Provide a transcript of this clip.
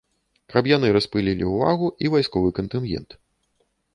Каб яны распылілі ўвагу і вайсковы кантынгент.